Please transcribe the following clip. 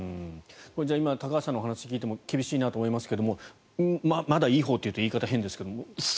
今、高橋さんのお話を聞いても厳しいなと思いますけどもまだいいほうと言うと言い方、変ですけども。